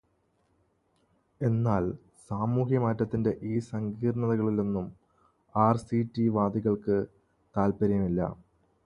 എന്നാൽ, സാമൂഹ്യമാറ്റത്തിന്റെ ഈ സങ്കീർണതകളിലൊന്നും ആർസിറ്റി വാദികൾക്ക് താൽപ്പര്യമില്ല.